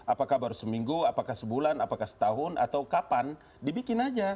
apakah baru seminggu apakah sebulan apakah setahun atau kapan dibikin aja